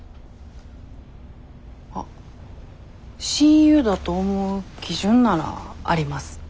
あっ親友だと思う基準ならあります。